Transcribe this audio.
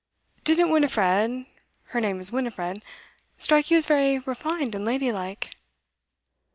Didn't Winifred her name is Winifred strike you as very refined and lady like?